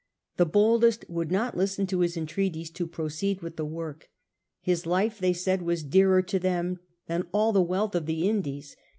The boldest would not listen to his entreaties to proceed with the work. His life, they said, was dearer to them than all the wealth of the Indies.